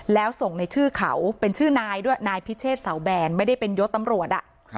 แล้วส่งในชื่อเขาเป็นชื่อนายด้วยนายพิเชษเสาแบนไม่ได้เป็นยศตำรวจ